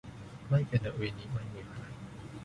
まゆげのうえにはまゆげはない